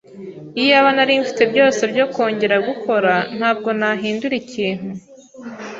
Iyaba nari mfite byose byo kongera gukora, ntabwo nahindura ikintu.